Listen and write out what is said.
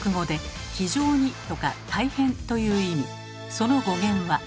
その語源は。